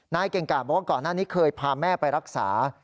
เก่งกาดบอกว่าก่อนหน้านี้เคยพาแม่ไปรักษา